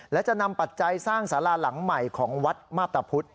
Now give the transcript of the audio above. และจะนำปัจจัยสร้างสาราหลังใหม่ของวัดมาพตะพุธ